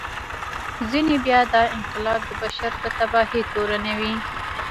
ځینې بیا دا انقلاب د بشر په تباهي تورنوي.